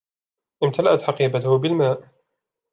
امتلأت حقيبته بالماء.